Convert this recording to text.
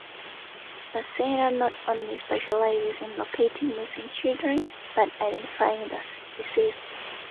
The Center not only specializes in locating missing children, but identifying the deceased.